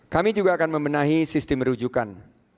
kami juga akan membenahi sistem rujukan